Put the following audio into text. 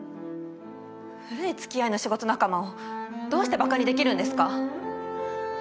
古い付き合いの仕事仲間をどうしてバカにできるんですか？